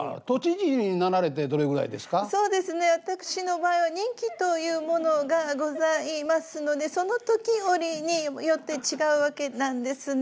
私の場合は任期というものがございますのでその時折によって違うわけなんですね。